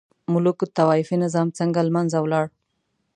ملوک الطوایفي نظام څنګه له منځه ولاړ؟